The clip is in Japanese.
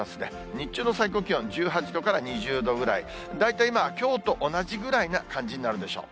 日中の最高気温１８度から２０度ぐらい、大体まあ、きょうと同じぐらいな感じになるでしょう。